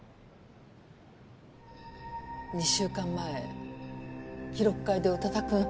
２週間前記録会で宇多田くん